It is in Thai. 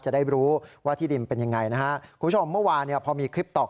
จะได้รู้ว่าที่ดินเป็นยังไงนะฮะคุณผู้ชมเมื่อวานเนี่ยพอมีคลิปตอก